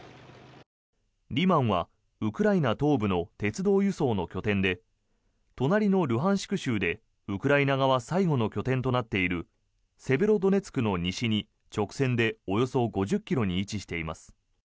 リマンはウクライナ東部の鉄道輸送の拠点で隣のルハンシク州でウクライナ側最後の拠点となっているセベロドネツクの西に直線でおよそ５０ｋｍに位置しています。